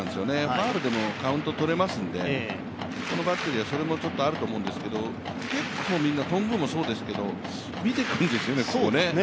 ファウルでもカウント取れますんで、このバッテリーはそれもちょっとあると思うんですけど結構みんな、頓宮もそうですけど、結構見てくるんですよね。